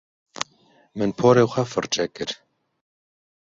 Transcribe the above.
Min porê xwe firçe kir.